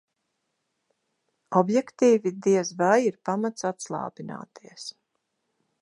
Objektīvi diez vai ir pamats atslābināties.